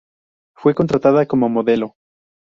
Fue contratada como modelo.